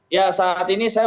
ya saat ini saya